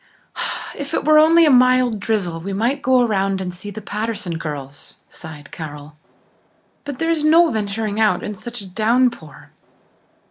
"If it were only a mild drizzle we might go around and see the Patterson girls," sighed Carol. "But there is no venturing out in such a downpour.